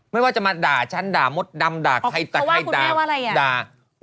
ไม่ว่าจะมาด่าฉันด่ามดดำด่าใครด่าอ๋อเขาว่าคุณแม่ว่าอะไรอ่ะ